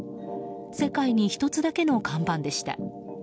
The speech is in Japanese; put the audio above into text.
世界に１つだけの看板でした。